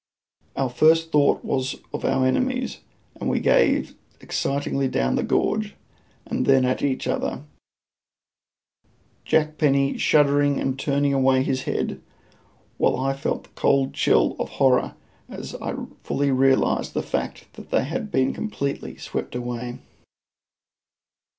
Our first thought was of our enemies, and we gazed excitedly down the gorge and then at each other, Jack Penny shuddering and turning away his head, while I felt a cold chill of horror as I fully realised the fact that they had been completely swept away.